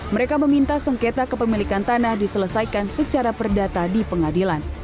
mereka meminta sengketa kepemilikan tanah diselesaikan secara perdata di pengadilan